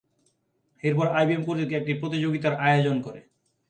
এরপর আইবিএম কর্তৃপক্ষ একটি প্রতিযোগিতার আয়োজন করে।